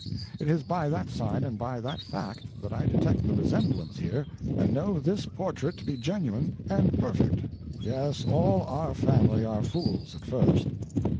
It is by that sign and by that fact that I detect the resemblance here and know this portrait to be genuine and perfect. Yes, all our family are fools at first."